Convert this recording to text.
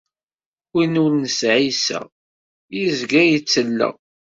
Win ur nesɛi iseɣ, yezga yettelleɣ.